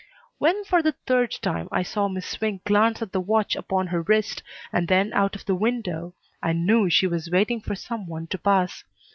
When for the third time I saw Miss Swink glance at the watch upon her wrist, and then out of the window, I knew she was waiting for some one to pass.